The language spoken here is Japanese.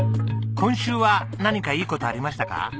今週は何かいい事ありましたか？